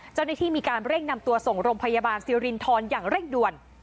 เจ้าหน้าที่มีการเร่งนำตัวส่งโรงพยาบาลสิรินทรอย่างเร่งด่วน